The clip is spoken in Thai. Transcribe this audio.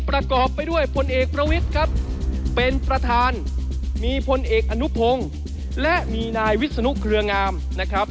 ประกอบไปด้วยพลเอกประวิทย์ครับเป็นประธานมีพลเอกอนุพงศ์และมีนายวิศนุเครืองามนะครับ